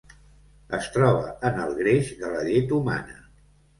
Es troba en el greix de la llet humana.